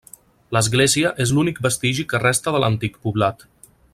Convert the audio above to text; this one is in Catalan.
L'església és l'únic vestigi que resta de l'antic poblat.